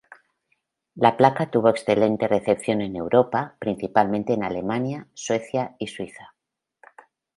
La placa tuvo excelente recepción en Europa principalmente en Alemania, Suecia y Suiza.